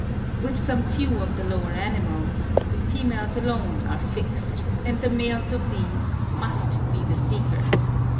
With some few of the lower animals, the females alone are fixed, and the males of these must be the seekers.